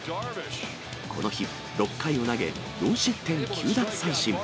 この日、６回を投げ、４失点９奪三振。